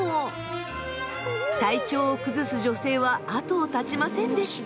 体調を崩す女性は後を絶ちませんでした。